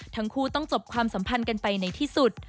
ทั้งคู่ต้องจบความสัมพันธ์กันไปในที่สุด